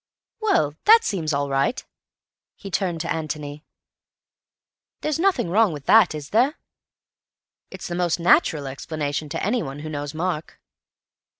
"Well, that seems all right." He turned to Antony. "There's nothing wrong with that, is there? It's the most natural explanation to anyone who knows Mark."